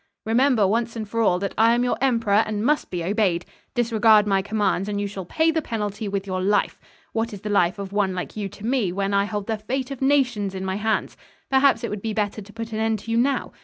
"Remember, once and for all, that I am your emperor and must be obeyed. Disregard my commands and you shall pay the penalty with your life. What is the life of one like you to me, when I hold the fate of nations in my hands? Perhaps it would be better to put an end to you now.